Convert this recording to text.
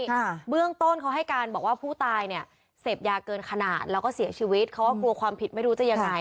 ค่ะเบื้องต้นเขาให้การบอกว่าผู้ตายเนี่ยเสพยาเกินขนาดแล้วก็เสียชีวิตเขาก็กลัวความผิดไม่รู้จะยังไง